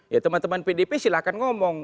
ya teman teman pdp silahkan ngomong